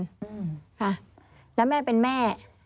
อืมค่ะแล้วแม่เป็นแม่